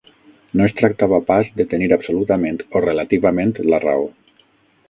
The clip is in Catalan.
No es tractava pas de tenir absolutament o relativament la raó.